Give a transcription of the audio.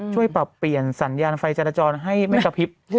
ช่วยปรับเปลี่ยนสัญญาณไฟจรจรให้ไม่กระพริบ